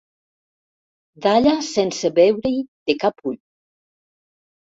Dalla sense veure-hi de cap ull.